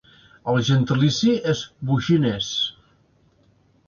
El gentilici és "boginès".